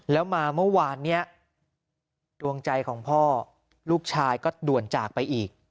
แล้วมาเมื่อวานนี้ดวงใจของพ่อลูกชายก็ด่วนจากไปอีก